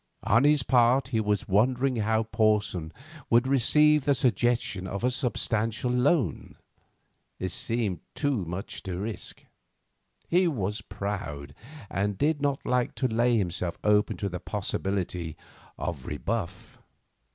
On his part he was wondering how Porson would receive the suggestion of a substantial loan. It seemed too much to risk. He was proud, and did not like to lay himself open to the possibility of rebuff.